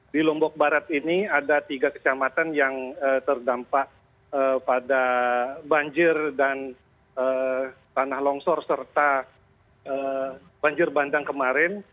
di lombok barat ini ada tiga kecamatan yang terdampak pada banjir dan tanah longsor serta banjir bandang kemarin